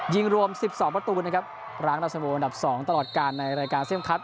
ยิงรวม๑๒ประตูนะครับร้างราชวงอันดับ๒ตลอดการในรายการเซียมคลับ